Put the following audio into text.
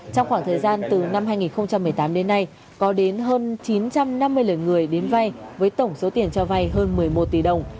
trong khoảng thời gian từ năm hai nghìn một mươi tám đến nay có đến hơn chín trăm năm mươi lượt người đến vay với tổng số tiền cho vay hơn một mươi một tỷ đồng